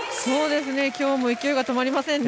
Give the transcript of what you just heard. きょうも勢いが止まりませんね。